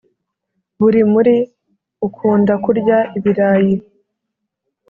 buri muri ukunda kurya ibirayi